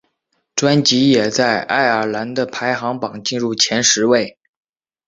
专辑也在爱尔兰的排行榜进入前十位。